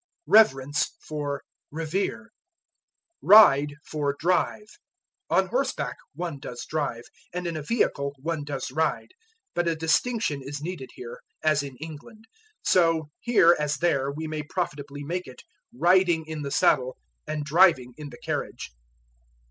Reverence for Revere. Ride for Drive. On horseback one does drive, and in a vehicle one does ride, but a distinction is needed here, as in England; so, here as there, we may profitably make it, riding in the saddle and driving in the carriage.